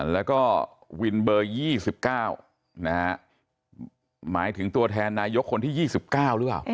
แล้วก็วินเบอร์๒๙หมายถึงตัวแทนนายกคนที่๒๙หรือเปล่า